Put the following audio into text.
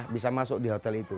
bisa masuk di hotel itu